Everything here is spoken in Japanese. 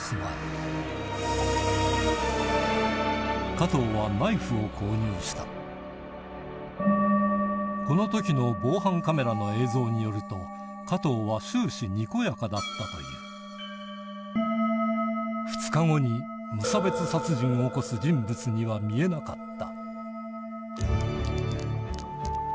加藤はこの直後この時の防犯カメラの映像によると加藤は２日後に無差別殺人を起こす人物には見えなかった